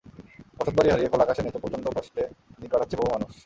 বসতবাড়ি হারিয়ে খোলা আকাশের নিচে প্রচণ্ড কষ্টে দিন কাটাচ্ছে বহু মানুষ।